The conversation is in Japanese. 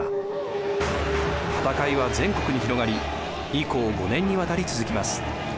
戦いは全国に広がり以降５年にわたり続きます。